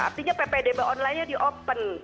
artinya ppdb online nya di open